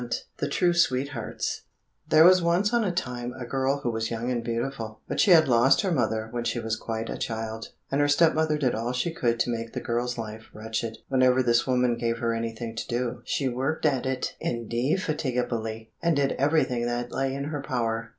186 The True Sweethearts There was once on a time a girl who was young and beautiful, but she had lost her mother when she was quite a child, and her step mother did all she could to make the girl's life wretched. Whenever this woman gave her anything to do, she worked at it indefatigably, and did everything that lay in her power.